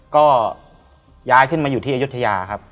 ก็ย้ายขึ้นมาอยู่ที่อายุทยาครับ